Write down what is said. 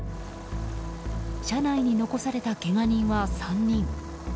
車内に残されたけが人は、３人。